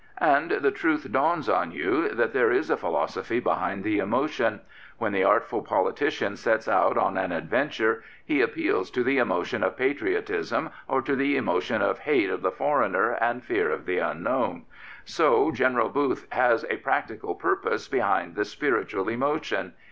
And the truth dawns on you that there is a philosophy behind the emotion. When the artful politician sets out on an adventure he appeals to the emotion of patriotism or to the emotion of hate of the foreigner and fear of the unknown. So General Booth has a practical purpose behind the spiritual emotion.